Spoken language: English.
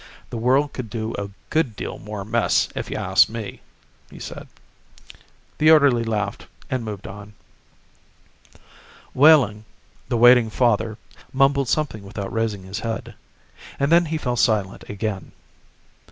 "The world could do with a good deal more mess, if you ask me," he said. The orderly laughed and moved on. Wehling, the waiting father, mumbled something without raising his head. And then he fell silent again.